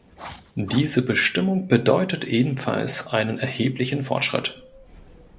Diese Bestimmung bedeutet ebenfalls einen erheblichen Fortschritt.